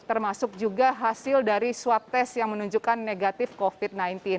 termasuk juga hasil dari swab test yang menunjukkan negatif covid sembilan belas